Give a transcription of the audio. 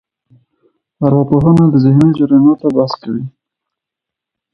ارواپوهنه د ذهني جرياناتو بحث کوي.